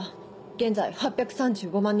現在８３５万人。